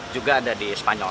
juga ada di spanyol